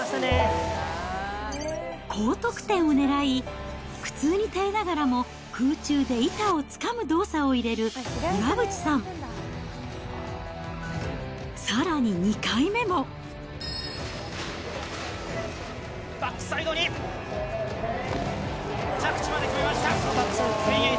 高得点を狙い、苦痛に耐えながらも、空中で板をつかむ動作を入れる岩渕さん。